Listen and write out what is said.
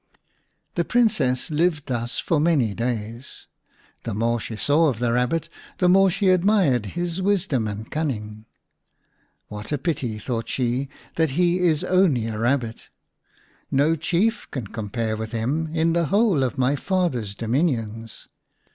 The Princess lived thus for many days. The more she saw of the Kabbit the more she admired his wisdom and cunning. " What a pity," thought she, " that he is only a Kabbit ! No Chief can compare with him in the whole of my father's dominions."